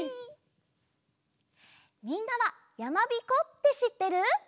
みんなはやまびこってしってる？